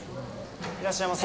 いらっしゃいませ。